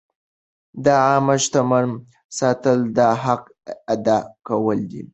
د عامه شتمنیو ساتل د حق ادا کول دي.